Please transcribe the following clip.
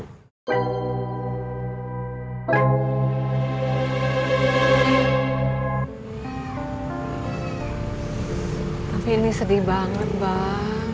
tapi ini sedih banget bang